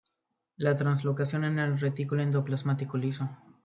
La translocación en el retículo endoplasmático liso.